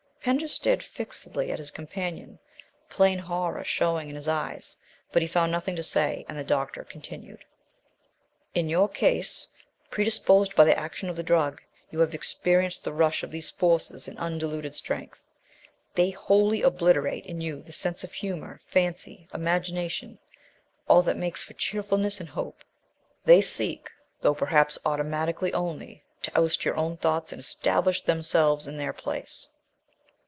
Pender stared fixedly at his companion, plain horror showing in his eyes. But he found nothing to say, and the doctor continued "In your case, predisposed by the action of the drug, you have experienced the rush of these forces in undiluted strength. They wholly obliterate in you the sense of humour, fancy, imagination, all that makes for cheerfulness and hope. They seek, though perhaps automatically only, to oust your own thoughts and establish themselves in their place.